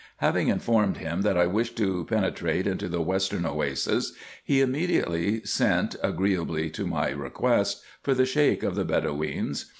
Having informed him that I wished to penetrate into the western Oasis, he immediately sent, agreeably to my request, for the Sheik of the Bedoweens.